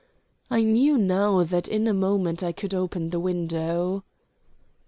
I knew now that in a moment I could open the window.